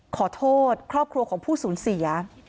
ขอโทษครอบครัวของผู้สูญเสีย